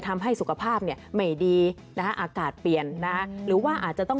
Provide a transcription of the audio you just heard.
ทำให้สุขภาพเนี่ยไม่ดีนะฮะอากาศเปลี่ยนนะคะหรือว่าอาจจะต้อง